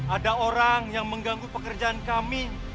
ada orang yang mengganggu pekerjaan kami